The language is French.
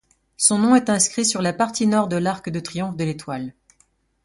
Son nom est inscrit sur la partie Nord de l'arc de triomphe de l'Étoile.